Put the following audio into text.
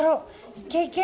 いけいけ！